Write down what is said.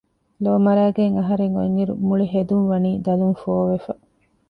ލޯ މަރައިގެން އަހަރެން އޮތް އިރު މުޅި ހެދުން ވަނީ ދަލުން ފޯ ވެފަ